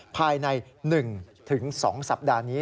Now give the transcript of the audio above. ภายใน๑๒สัปดาห์นี้